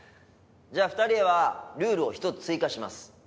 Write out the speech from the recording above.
じゃあ２人へはルールを１つ追加します。